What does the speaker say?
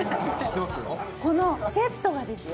このセットがですよ。